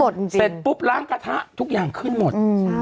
เสร็จปุ๊บล้างกระทะทุกอย่างขึ้นหมด